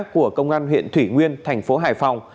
của công an huyện thủy nguyên tp hải phòng